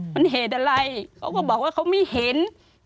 มันเหตุอะไรเขาก็บอกว่าเขาไม่เห็น